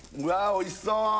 おいしそう！